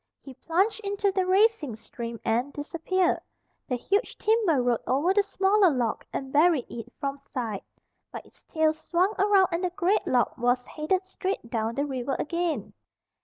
He plunged into the racing stream and disappeared. The huge timber rode over the smaller log and buried it from sight. But its tail swung around and the great log was headed straight down the river again.